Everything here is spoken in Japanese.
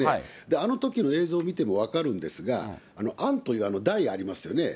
あのときの映像を見ても分かるんですが、あんという台、ありますよね。